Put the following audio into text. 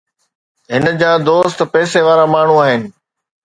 هن جا دوست پئسي وارا ماڻهو آهن.